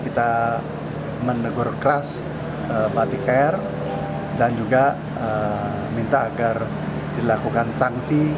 kita menegur keras batik air dan juga minta agar dilakukan sanksi